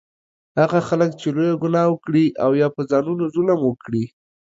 هغه خلک چې لویه ګناه وکړي او یا په ځانونو ظلم وکړي